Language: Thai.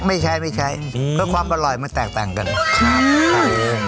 ไม่ใช้ไม่ใช้เพราะความอร่อยมันแตกต่างกันครับ